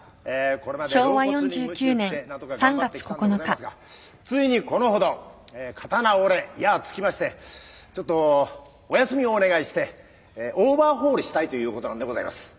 これまで老骨にむち打って何とか頑張ってきたんでございますがついにこのほど刀折れ矢尽きましてちょっとお休みをお願いしてオーバーホールしたいということなんでございます。